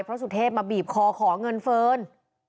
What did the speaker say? สุเทพมาบีบคอขอเงินเฟิร์น